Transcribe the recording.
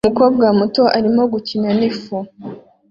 Umukobwa muto arimo gukina nifu